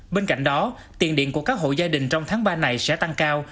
bên cạnh đó tiền điện của các hộ gia đình trong tháng ba này sẽ tăng cao